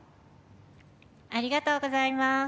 ありがとうございます。